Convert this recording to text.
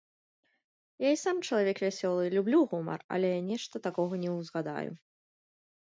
Я і сам чалавек вясёлы, люблю гумар, але нешта такога не ўзгадаю.